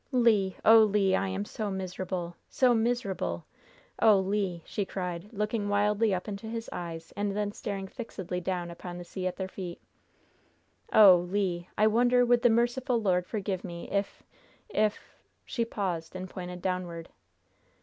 "Le! oh, Le! I am so miserable so miserable! Oh, Le!" she cried, looking wildly up into his eyes and then staring fixedly down upon the sea at their feet "oh, Le! I wonder would the merciful Lord forgive me if if " She paused and pointed downward.